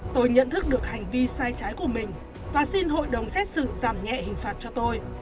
tôi nhận thức được hành vi sai trái của mình và xin hội đồng xét xử giảm nhẹ hình phạt cho tôi